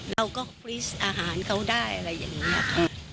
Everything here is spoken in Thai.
เราก็ปรีสอาหารเขาได้อะไรอย่างนี้ค่ะ